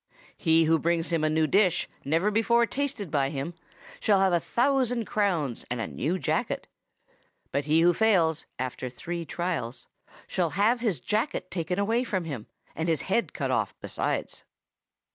He who brings him a new dish, never before tasted by him, shall have a thousand crowns and a new jacket; but he who fails, after three trials, shall have his jacket taken away from him, and his head cut off besides.